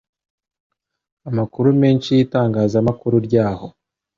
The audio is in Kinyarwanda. amakuru menshi y'itangazamakuru ryaho